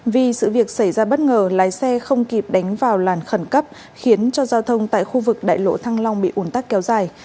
vì sự việc xảy ra bất ngờ lái xe không kịp đánh vào làn khẩn cấp khiến cho giao thông tại khu vực đại lộ thăng long bị ủn tắc kéo dài